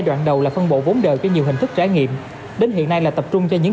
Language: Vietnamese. đoạn đầu là phân bộ vốn đời cho nhiều hình thức trải nghiệm đến hiện nay là tập trung cho những